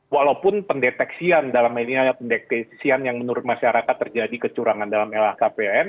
walaupun pendeteksian dalam ini adalah pendektesian yang menurut masyarakat terjadi kecurangan dalam lhkpn